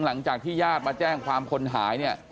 หลังจากที่ญาติมาแจ้งความคนหายเนี่ย